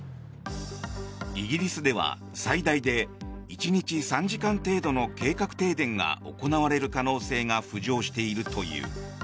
イギリスでは最大で１日３時間程度の計画停電が行われる可能性が浮上しているという。